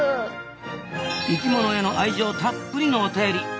生きものへの愛情たっぷりのお便り。